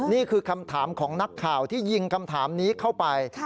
นี่คือคำถามของนักข่าวที่ยิงคำถามนี้เข้าไป